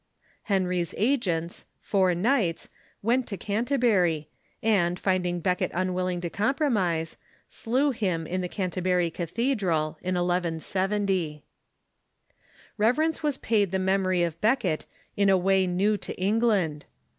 Henry's agents, four knights, went to Canterbury, and, finding Becket unwilling to compromise, slew him in the Canterbury Cathedral, in 1170. Reverence was paid the memory of Becket in a way new to England.